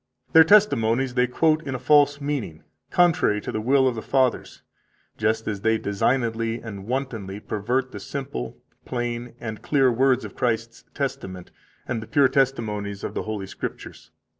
Their testimonies they quote in a false meaning, contrary to the will of the fathers, just as they designedly and wantonly pervert the simple, plain, and clear words of Christ's testament and the pure testimonies of the Holy Scriptures.